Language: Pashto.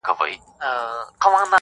ډېر هوښیار دی مشرتوب لایق د ده دی!!